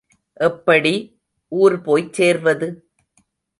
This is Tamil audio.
எப்படி ஊர்போய்ச் சேர்வது?